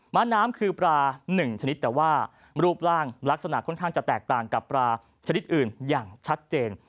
้าน้ำคือปลา๑ชนิดแต่ว่ารูปร่างลักษณะค่อนข้างจะแตกต่างกับปลาชนิดอื่นอย่างชัดเจน